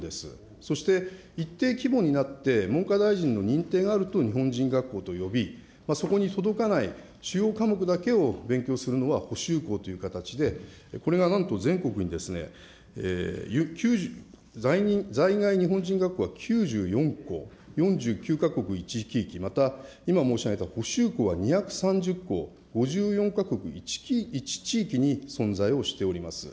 そして一定規模になって、文科大臣の認定があると日本人学校と呼び、そこに届かない主要科目だけを勉強するのが補習校という形で、これがなんと全国に在外日本人学校は９４校、４９か国１区域、また今申し上げた補習校は２３０校、５４か国１地域に存在をしております。